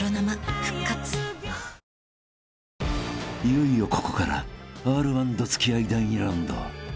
［いよいよここからＲ−１どつきあい第２ラウンド］